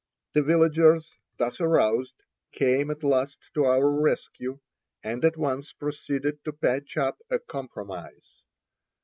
The villagers, thus aroused, came at last to our rescue, and at once proceeded to patch up a compromise.